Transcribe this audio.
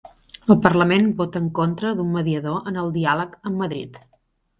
El parlament vota en contra d'un mediador en el diàleg amb Madrid